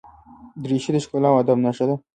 دریشي د ښکلا او ادب نښه ده.